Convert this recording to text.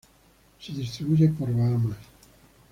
Se distribuye por Bahamas.